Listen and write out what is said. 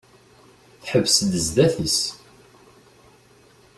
Teḥbes-d sdat-is.